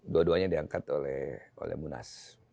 dua duanya diangkat oleh munas